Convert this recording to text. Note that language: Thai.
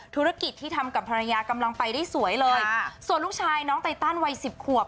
ธุรกิจที่ทำกับภรรยากำลังไปได้สวยเลยส่วนลูกชายน้องไตตันวัยสิบขวบ